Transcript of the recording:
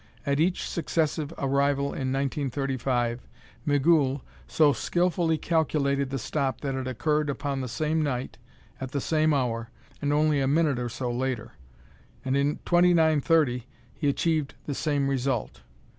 At each successive arrival in 1935, Migul so skilfully calculated the stop that it occurred upon the same night, at the same hour, and only a minute or so later. And in 2930 he achieved the same result.